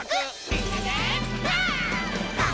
「みんなでパン！」